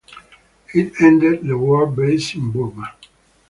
It ended the war based in Burma.